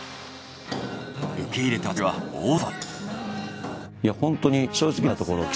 受け入れた町は大騒ぎ。